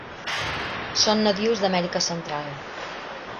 Són nadius d'Amèrica Central.